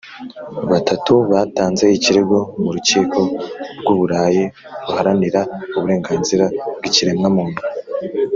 batatu batanze ikirego mu Rukiko rw u Burayi Ruharanira Uburenganzira bw Ikiremwamuntu